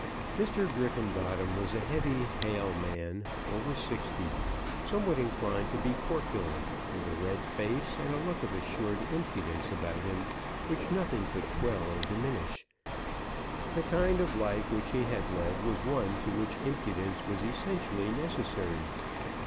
Mr. Griffenbottom was a heavy hale man, over sixty, somewhat inclined to be corpulent, with a red face, and a look of assured impudence about him which nothing could quell or diminish. The kind of life which he had led was one to which impudence was essentially necessary.